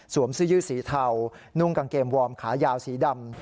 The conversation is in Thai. เสื้อยืดสีเทานุ่งกางเกงวอร์มขายาวสีดำ